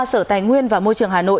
sở tài nguyên và môi trường hà nội